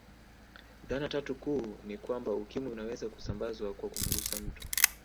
Dhana tatu kuu ni kwamba Ukimwi unaweza kusambazwa kwa kumgusa mtu